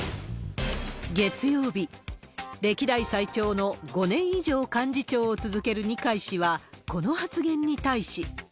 月曜日、歴代最長の５年以上幹事長を続ける二階氏は、この発言に対し。